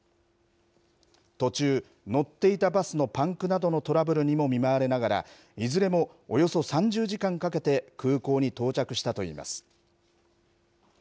途中、乗っていたバスのパンクなどのトラブルにも見舞われながら、いずれもおよそ３０時間かけて空港に到着したといいます。